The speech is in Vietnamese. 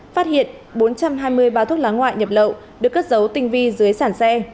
phát hiện bốn trăm hai mươi bao thuốc lá ngoại nhập lậu được cất dấu tinh vi dưới sản xe